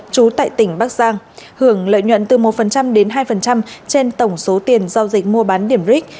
trú tại tỉnh bắc giang hưởng lợi nhuận từ một đến hai trên tổng số tiền giao dịch mua bán điểm ric